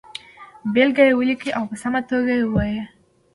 بېلګه یې ولیکئ او په سمه توګه یې ووایئ.